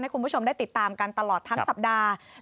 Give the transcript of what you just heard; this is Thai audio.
คุณผู้ชมได้ติดตามกันตลอดทั้งสัปดาห์